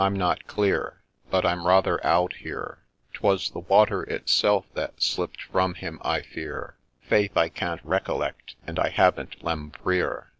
— I'm not clear, But I'm rather out here ; 'Twas the water itself that slipp'd from him, I fear ; Faith, I can't recollect — and I haven't Lempriere.